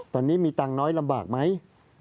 ตอนนี้มีตังค์น้อยลำบากไหม